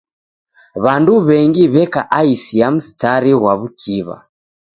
W'andu w'engi w'eka aisi ya msitari ghwa w'ukiw'a.